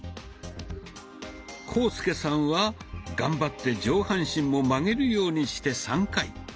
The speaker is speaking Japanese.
浩介さんは頑張って上半身も曲げるようにして３回。